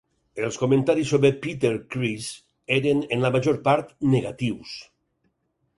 Els comentaris sobre "Peter Criss" eren, en la major part, negatius.